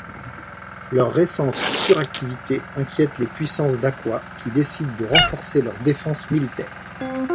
Leur récente suractivité inquiète les puissances d'Aqua, qui décident de renforcer leurs défenses militaires.